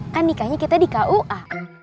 kan nikahnya kita di kua